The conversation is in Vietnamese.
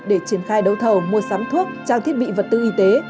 để triển khai đấu thầu mua sắm thuốc trang thiết bị vật tư y tế